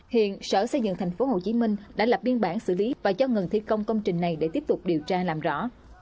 hiện sở xây dựng tp hcm đã lập biên bản xử lý và cho ngừng thi công công trình này để tiếp tục điều tra làm rõ